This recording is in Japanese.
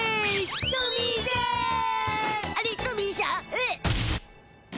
えっ？